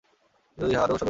কিন্তু ইহা আদৌ সদুত্তর নয়।